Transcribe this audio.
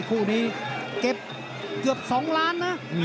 คู่นี้เก็บเกือบ๒ล้านนะ